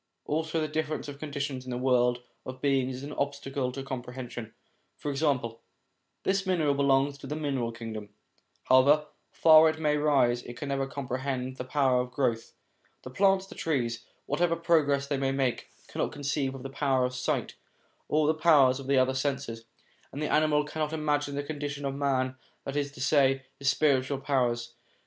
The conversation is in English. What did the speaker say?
Also the difference of conditions in the world of beings is an obstacle to comprehension. For example : this mineral belongs to the mineral kingdom ; however far it may rise, it can never comprehend the power of growth. The plants, the trees, whatever progress they may make, cannot conceive of the power of sight or the powers of the other senses; and the animal cannot imagine the condition of man, that is to say, his spiritual powers.